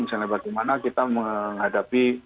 misalnya bagaimana kita menghadapi